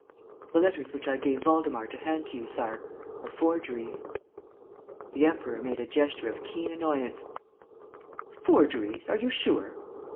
"The letters which I gave Waldemar to hand to you, Sire, are forgeries." The Emperor made a gesture of keen annoyance: "Forgeries? Are you sure?"